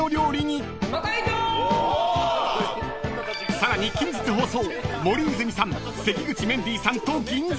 ［さらに近日放送］